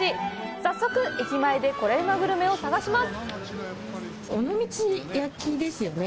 早速駅前でコレうまグルメを探します！